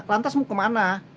lantas mau kemana